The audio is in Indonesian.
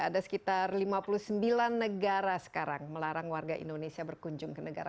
ada sekitar lima puluh sembilan negara sekarang melarang warga indonesia berkunjung ke negara